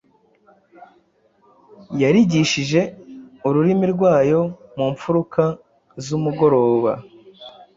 Yarigishije ururimi rwayo mu mfuruka zumugoroba